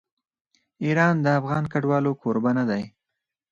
آیا ایران د افغان کډوالو کوربه نه دی؟